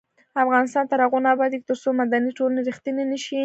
افغانستان تر هغو نه ابادیږي، ترڅو مدني ټولنې ریښتینې نشي.